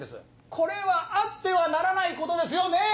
これはあってはならないことですよねぇ